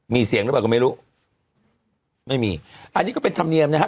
มีเสียงหรือเปล่าก็ไม่รู้ไม่มีอันนี้ก็เป็นธรรมเนียมนะฮะ